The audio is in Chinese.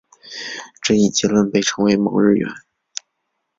这一结论被称为蒙日圆。